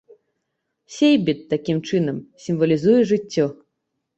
Сейбіт, такім чынам, сімвалізуе жыццё.